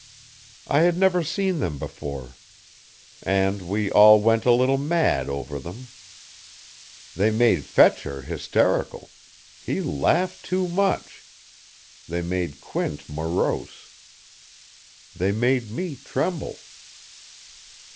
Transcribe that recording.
I had never seen them, before. And we all went a little mad over them.... "They made Fetcher hysterical. He laughed too much. They made Quint morose. They made me tremble...."